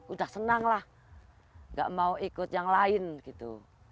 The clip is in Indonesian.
udah senang lah gak mau ikut yang lain gitu